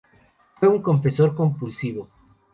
Fue un confesor compulsivo.